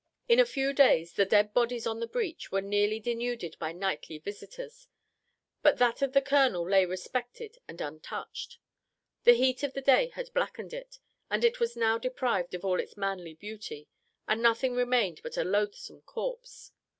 In a few days the dead bodies on the breach were nearly denuded by nightly visitors; but that of the colonel lay respected and untouched. The heat of the day had blackened it, and it was now deprived of all its manly beauty, and nothing remained but a loathsome corpse.